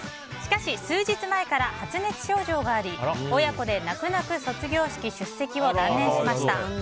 しかし、数日前から発熱症状があり親子で、泣く泣く卒業式出席を断念しました。